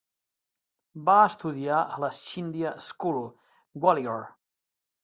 Va estudiar a la Scindia School, Gwalior.